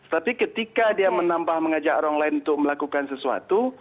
tapi ketika dia menambah mengajak orang lain untuk melakukan sesuatu